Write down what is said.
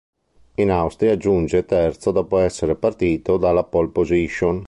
In Austria giunge terzo dopo essere partito dalla pole position.